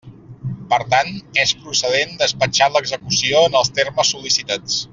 Per tant, és procedent despatxar l'execució en els termes sol·licitats.